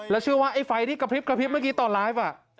แล้วเชื่อว่าไอ้ไฟที่กระพริบกระพริบเมื่อกี้ตอนไลฟ์